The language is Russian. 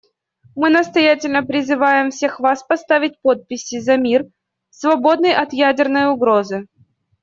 Мы настоятельно призываем всех вас поставить подписи за мир, свободный от ядерной угрозы.